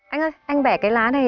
anh ơi anh bẻ cái lá này